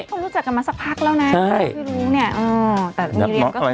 เขารู้จักกันมาสักพักแล้วนะพี่รู้เนี่ย